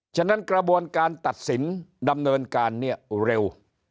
ฉะนั้นกระบวนการตัดสินดำเนินการเนี่ยเร็ว